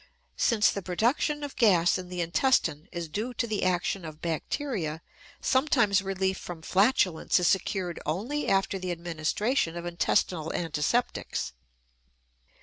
Since the production of gas in the intestine is due to the action of bacteria sometimes relief from flatulence is secured only after the administration of intestinal antiseptics.